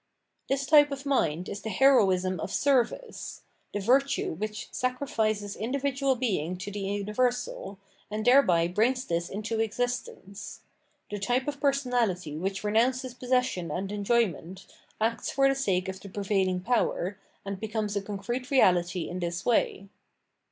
This type of mind is the heroism of Service; the virtue which sacrifices individual being 509 Culture and its S'pTiere of Reality to the universal, and thereby brings this into existence ; the type of personahty which renounces possession and enjoyment, acts for the sake of the prevailmg power, and becomes a concrete reality iu this way.